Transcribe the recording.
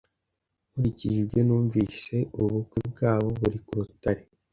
Nkurikije ibyo numvise, ubukwe bwabo buri ku rutare.